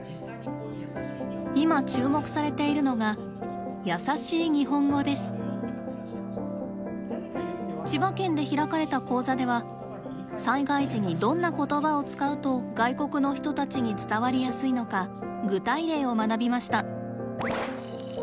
今注目されているのが千葉県で開かれた講座では災害時にどんな言葉を使うと外国の人たちに伝わりやすいのか具体例を学びました。